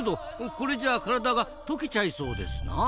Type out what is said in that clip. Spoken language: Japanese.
これじゃあ体が溶けちゃいそうですなあ。